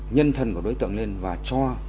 nhân thần của đối tượng lên và cho